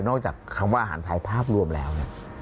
จากคำว่าอาหารไทยภาพรวมแล้วเนี่ย